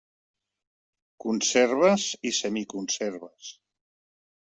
Conserves i semiconserves.